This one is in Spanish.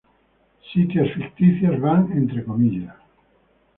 Sitios ficticios van entre comillas.